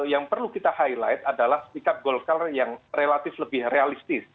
yang perlu kita highlight adalah sikap golkar yang relatif lebih realistis